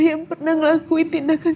yang pernah ngelakuin tindakan